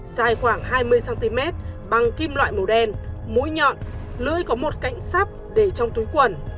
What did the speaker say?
dài khoảng hai mươi cm bằng kim loại màu đen mũi nhọn lưỡi có một cạnh sắp để trong túi quần